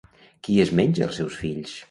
Qui es menja els seus fills?